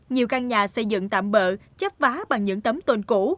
nhiều căn nhà xây dựng tạm bỡ chấp vá bằng những tấm tồn cổ